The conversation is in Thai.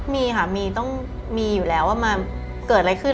มีค่ะมีต้องมีอยู่แล้วว่ามันเกิดอะไรขึ้น